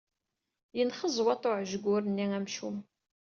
Yenxeẓwaṭ uɛejgur-nni amcum.